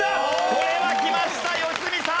これはきました良純さん！